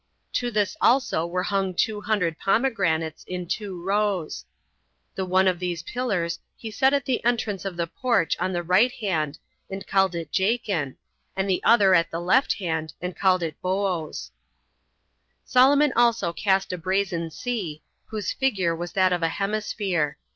To this also were hung two hundred pomegranates, in two rows. The one of these pillars he set at the entrance of the porch on the right hand, and called it Jachin 9 and the other at the left hand, and called it Booz. 5. Solomon also cast a brazen sea, whose figure was that of a hemisphere.